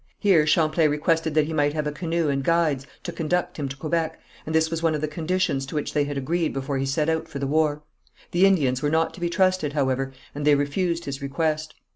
Here Champlain requested that he might have a canoe and guides to conduct him to Quebec, and this was one of the conditions to which they had agreed before he set out for the war. The Indians were not to be trusted, however, and they refused his request.